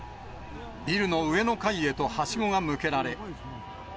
ビルの上の階へとはしごが向けられ。